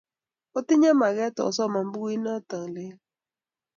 Otinye maget asoman bukuinotongung lel